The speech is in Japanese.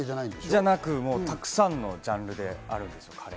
じゃなくて、たくさんのジャンルのカレーがあるんです。